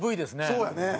そうやね！